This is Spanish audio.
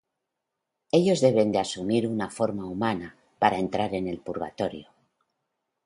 Ellos deben asumir una forma humana para entrar en el purgatorio.